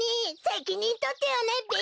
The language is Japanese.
せきにんとってよねべ！